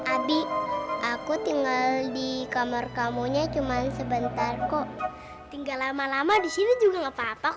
abi aku tinggal di kamar kamu nya cuman sebentar kok tinggal lama lama di sini juga enggak apa apa